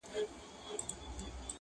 شاعرانو پکښي ولوستل شعرونه٫